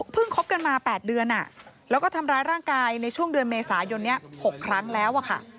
คบกันมา๘เดือนแล้วก็ทำร้ายร่างกายในช่วงเดือนเมษายนนี้๖ครั้งแล้วอะค่ะ